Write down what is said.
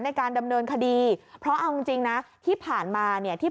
ในการดำเนินคดีเพราะเอาจริงจริงนะที่ผ่านมาเนี่ยที่